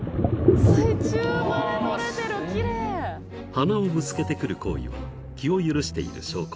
［鼻をぶつけてくる行為は気を許している証拠］